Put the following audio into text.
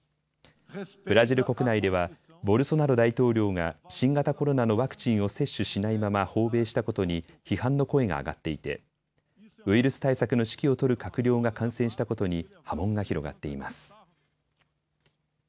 ブラジル国内ではボルソナロ大統領が新型コロナのワクチンを接種しないまま訪米したことに批判の声が上がっていてウイルス対策の指揮を執る閣僚が感染したことに波紋が広がっています。